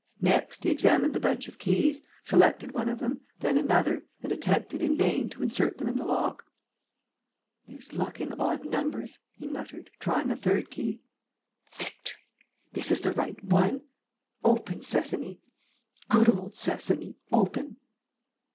Next, he examined the bunch of keys, selected one of them, then another, and attempted, in vain, to insert them in the lock: "There's luck in odd numbers," he muttered, trying a third key. "Victory! This is the right one! Open Sesame, good old Sesame, open!"